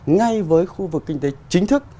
ngay với khu vực kinh tế chính thức